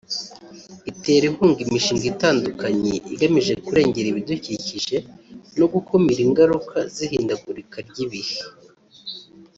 itera inkunga imishinga itandukanye igamije kurengera ibidukikije no gukumira ingaruka z’ihindagurika ry’ibihe